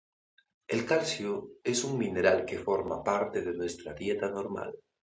El calcio es un mineral que forma parte de nuestra dieta normal.